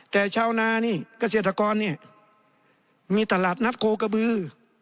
แต่ชาวนานี่เกษตรกรเนี่ยมีตลาดนัดโคกระบือ